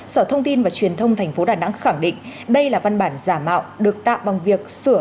sở thông tin và truyền thông tp đà nẵng khẳng định đây là văn bản giả mạo được tạo bằng việc sửa